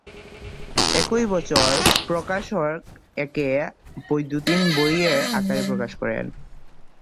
একই বছর প্রকাশক একে বৈদ্যুতিন বইয়ের আকারে প্রকাশ করেন।